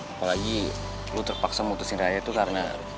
apalagi lu terpaksa memutusin raya itu karena